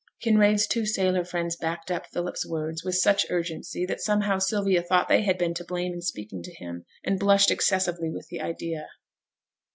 Kinraid's two sailor friends backed up Philip's words with such urgency, that, somehow, Sylvia thought they had been to blame in speaking to him, and blushed excessively with the idea.